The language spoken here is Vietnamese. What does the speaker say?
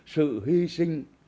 sự hy sinh